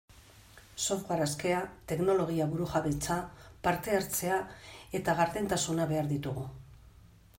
Software askea, teknologia burujabetza, parte-hartzea eta gardentasuna behar ditugu.